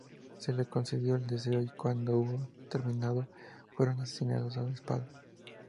Se le concedió el deseo y cuando hubo terminado, fueron asesinados a espada.